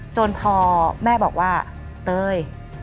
จนพอแม่บอกว่าเตย